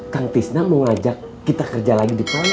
kang tisna mau ngajak kita kerja lagi di pangkul